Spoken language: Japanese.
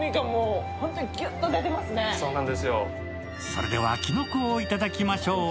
それではきのこをいただきましょう。